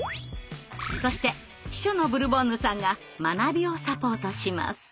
そして秘書のブルボンヌさんが学びをサポートします。